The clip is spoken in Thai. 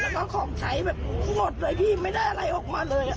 แล้วก็ของใช้แบบหมดเลยพี่ไม่ได้อะไรออกมาเลย